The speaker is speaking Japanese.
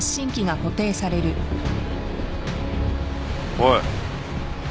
おい。